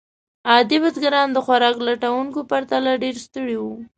عادي بزګران د خوراک لټونکو پرتله ډېر ستړي وو.